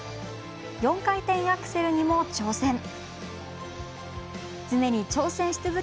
４回転アクセルにも挑戦。